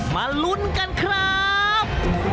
มาลุ้นกันครับ